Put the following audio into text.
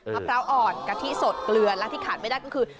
พร้าวอ่อนกะทิสดเกลือและที่ขาดไม่ได้ก็คือ